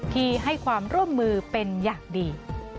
ที่ให้ความร่วมมือเป็นอย่างดี